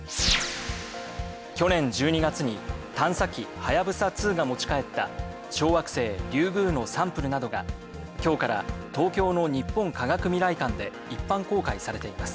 去年１２月に探査機「はやぶさ２」が持ち帰った小惑星「リュウグウ」のサンプルなどが今日から東京の日本科学未来館で一般公開されています。